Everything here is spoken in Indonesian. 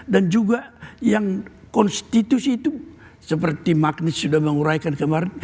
dan juga yang konstitusi itu seperti magnus sudah menguraikan kemarin